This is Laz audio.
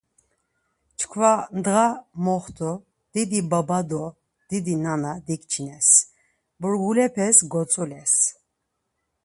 Çkva ndğa moxtu didi baba do didi nana dikçines, burgulepes gotzules.